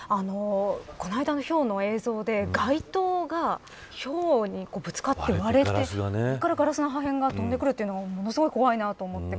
この間のひょうの映像で街灯がひょうにぶつかって割れてそこからガラスの破片が飛んでくるのがものすごく怖いなと思って。